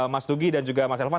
mas tugi dan juga mas elvan